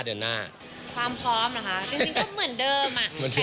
ความพร้อมนะคะจริงก็เหมือนเดิม